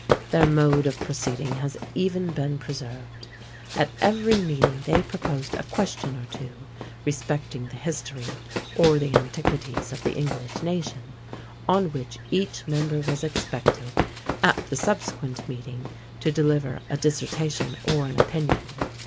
Their mode of proceeding has even been preserved. At every meeting they proposed a question or two respecting the history or the antiquities of the English nation, on which each member was expected, at the subsequent meeting, to deliver a dissertation or an opinion.